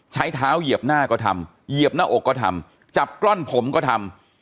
ใช้เท้าเหยียบหน้าก็ทำเหยียบหน้าอกก็ทำจับกล้อนผมก็ทำ